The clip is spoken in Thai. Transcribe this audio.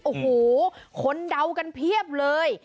โอ้โหคนเดากันเพียบเลย